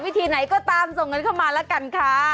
วิธีไหนก็ตามส่งกันเข้ามาแล้วกันค่ะ